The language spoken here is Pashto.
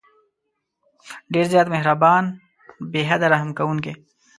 ډېر زیات مهربان، بې حده رحم كوونكى دى.